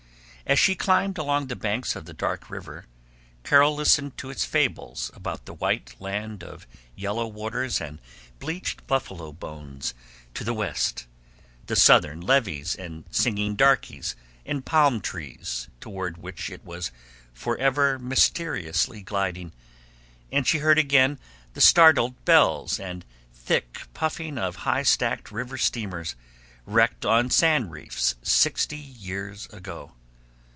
As she climbed along the banks of the dark river Carol listened to its fables about the wide land of yellow waters and bleached buffalo bones to the West; the Southern levees and singing darkies and palm trees toward which it was forever mysteriously gliding; and she heard again the startled bells and thick puffing of high stacked river steamers wrecked on sand reefs sixty years ago.